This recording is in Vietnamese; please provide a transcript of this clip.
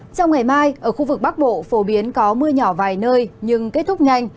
trong ngày mai ở khu vực bắc bộ phổ biến có mưa nhỏ vài nơi nhưng kết thúc nhanh